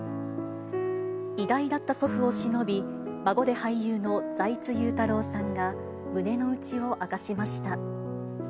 偉大だった祖父をしのび、孫で俳優の財津優太郎さんが、胸の内を明かしました。